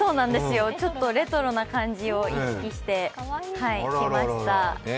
ちょっとレトロな感じを意識してきました。